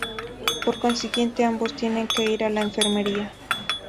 Por consiguiente, ambos tienen que ir a la enfermería.